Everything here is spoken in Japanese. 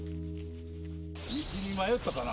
道に迷ったかな？